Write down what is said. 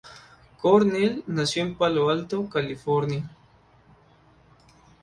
Cornell nació en Palo Alto, California.